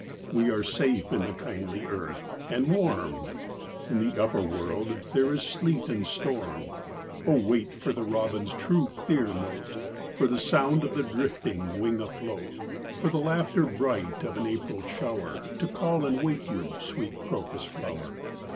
We are safe in the kindly earth, and warm— In the upper world there is sleet and storm. Oh, wait for the robin's true, clear note, For the sound of a drifting wing afloat; For the laughter bright of an April shower To call and wake you, sweet Crocus flower."